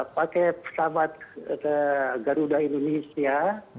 pakai pesawat garuda indonesia